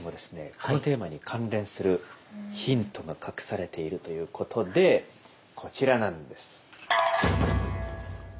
このテーマに関連するヒントが隠されているということでこちらなんです。